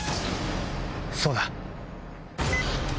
そうだ！